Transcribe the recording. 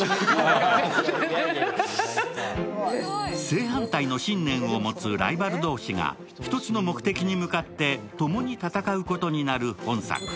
正反対の信念を持つライバル同士が１つの目的に向かって共に戦うことになる本作。